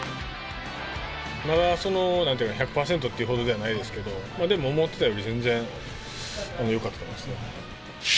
まだ１００％っていうほどではないですけど、でも思ってたより全然よかったと思いますね。